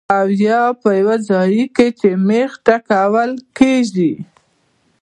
او يا پۀ يو ځائے کې چې مېخ ټکوهلی کيږي